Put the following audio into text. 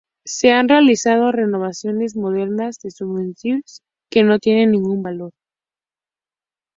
Se han realizado renovaciones modernas de souvenirs, que no tienen ningún valor.